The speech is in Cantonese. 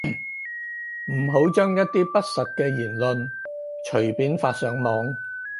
唔好將一啲不實嘅言論隨便發上網